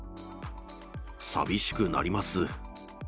寂しくなります。